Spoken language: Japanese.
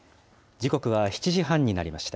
時刻は７時半になりました。